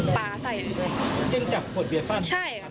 เขาถือมีจิดด้วยก็ชี้ด้าน